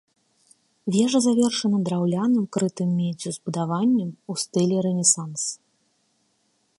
Вежа завершана драўляным крытым меддзю збудаваннем у стылі рэнесанс.